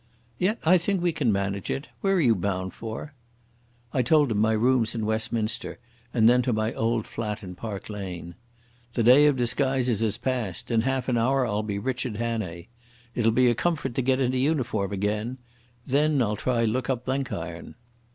"Yet I think we can manage it. Where are you bound for?" I told him my rooms in Westminster and then to my old flat in Park Lane. "The day of disguises is past. In half an hour I'll be Richard Hannay. It'll be a comfort to get into uniform again. Then I'll look up Blenkiron."